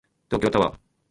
東京タワー